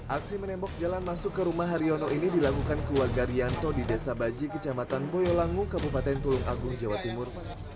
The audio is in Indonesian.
aksi menembok jalan masuk ke rumah haryono ini dilakukan keluarga rianto di desa baji kecamatan boyolangu kabupaten tulung agung jawa timur